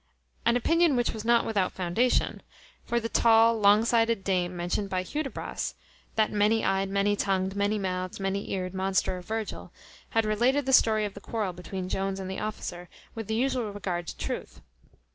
An opinion which was not without foundation. For the tall, long sided dame, mentioned by Hudibras that many eyed, many tongued, many mouthed, many eared monster of Virgil, had related the story of the quarrel between Jones and the officer, with the usual regard to truth.